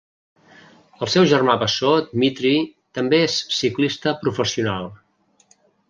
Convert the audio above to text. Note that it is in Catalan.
El seu germà bessó Dmitri també és ciclista professional.